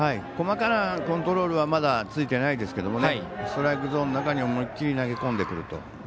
細かなコントロールはまだついてないですけどストライクゾーンの中に思い切り投げ込んでくると。